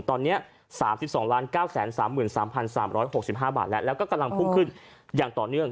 ตอนนี้๓๒๙๓๓๖๕บาทแล้วแล้วก็กำลังพุ่งขึ้นอย่างต่อเนื่อง